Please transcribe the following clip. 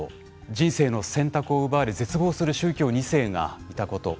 人生の選択を奪われ絶望する宗教２世がいたこと。